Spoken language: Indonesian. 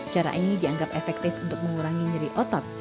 cara ini dianggap efektif untuk mengurangi nyeri otot